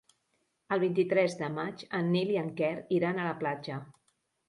El vint-i-tres de maig en Nil i en Quer iran a la platja.